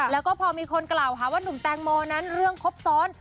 แล้วก็พอมีคนกล่าวหาว่านุ่มแตงโมนั้นเรื่องครบซ้อน